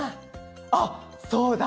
あっそうだ！